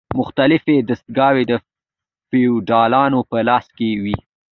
مختلفې دستګاوې د فیوډالانو په لاس کې وې.